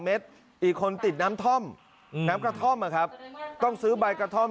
เม็ดอีกคนติดน้ำท่อมน้ำกระท่อมนะครับต้องซื้อใบกระท่อม